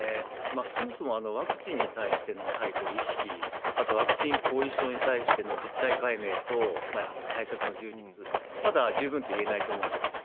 そもそもワクチンに対してのやはり意識、あとワクチン後遺症に対しての実態解明と対策の充実、まだ十分といえないと思うんですよね。